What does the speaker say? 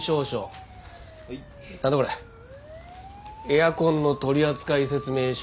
エアコンの取扱説明書。